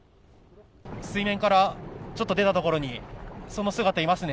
水面からちょっと出たところにその姿いますね。